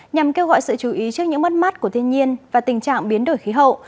nhằm kêu gọi sự chú ý trước những mất mát của thiên nhiên và tình trạng biến đổi khí hậu